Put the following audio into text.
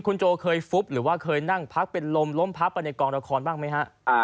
คุณโจเคยฟุบหรือว่าเคยนั่งพักเป็นลมล้มพับไปในกองละครบ้างไหมฮะ